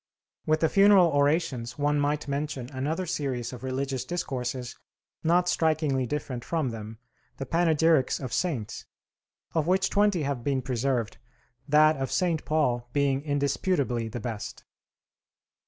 With the funeral orations one might mention another series of religious discourses not strikingly different from them, the panegyrics of saints, of which twenty have been preserved, that of Saint Paul being indisputably the best.